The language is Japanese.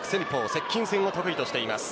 接近戦を得意としています。